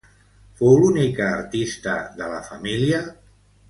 Fou l'única artista de la família?